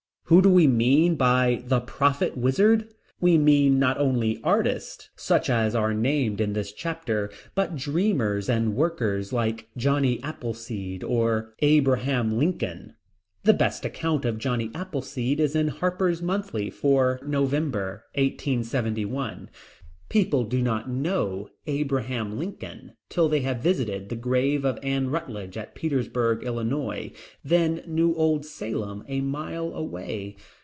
Who do we mean by The Prophet Wizard? We mean not only artists, such as are named in this chapter, but dreamers and workers like Johnny Appleseed, or Abraham Lincoln. The best account of Johnny Appleseed is in Harper's Monthly for November, 1871. People do not know Abraham Lincoln till they have visited the grave of Anne Rutledge, at Petersburg, Illinois, then New Old Salem a mile away.